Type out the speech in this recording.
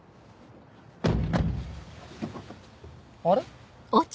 あれ？